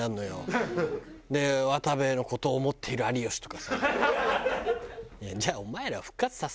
「渡部の事を思っている有吉」とかさ。